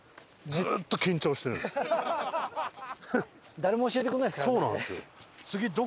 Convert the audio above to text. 誰も教えてくれないですからね。